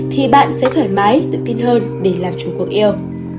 thì bạn sẽ thoải mái tự tin hơn để làm chú quốc yêu